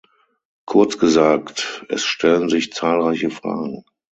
Kurz gesagt, es stellen sich zahlreiche Fragen.